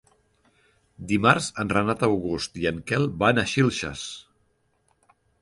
Dimarts en Renat August i en Quel van a Xilxes.